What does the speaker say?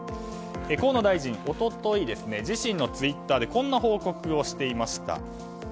河野大臣、一昨日自身のツイッターでこんな報告をしていました。